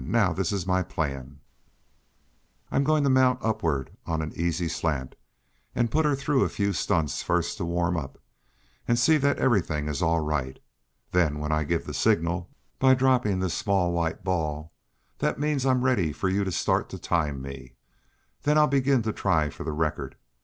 Now this is my plan. I'm going to mount upward on an easy slant, and put her through a few stunts first, to warm up, and see that everything is all right. Then, when I give the signal, by dropping this small white ball, that means I'm ready for you to start to time me. Then I'll begin to try for the record.